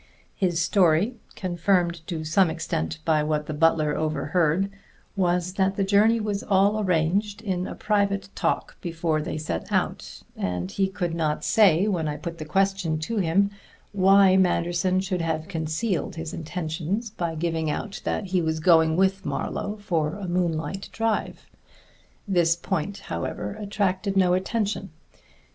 _ His story confirmed to some extent by what the butler overheard was that the journey was all arranged in a private talk before they set out, and he could not say, when I put the question to him, why Manderson should have concealed his intentions by giving out that he was going with Marlowe for a moonlight drive. This point, however, attracted no attention.